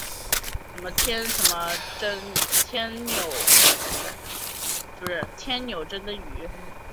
天纽珍灯鱼为辐鳍鱼纲灯笼鱼目灯笼鱼科的其中一种。